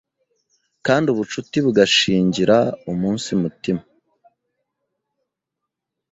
Kandi ubucuti bugashingira umunsi mutima